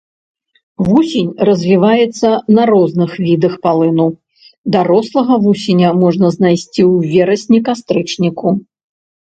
Вусень развіваецца на розных відах палыну, дарослага вусеня можна знайсці ў верасні-кастрычніку.